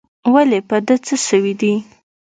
ولي په ده څه سوي دي؟